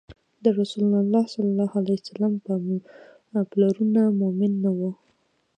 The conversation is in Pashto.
د رسول الله ﷺ پلرونه مؤمن نه وو